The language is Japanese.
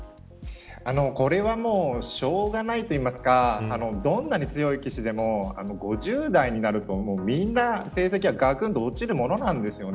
これはしょうがないといいますかどんなに強い棋士でも５０代になると、みんな成績はがくんと落ちるものなんですよね。